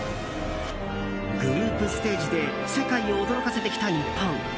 グループステージで世界を驚かせてきた日本。